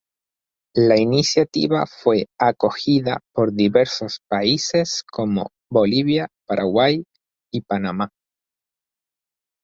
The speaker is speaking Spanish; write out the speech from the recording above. La iniciativa fue acogida por diversos países como Bolivia, Paraguay y Panamá.